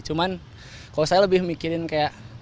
cuman kalau saya lebih mikirin kayak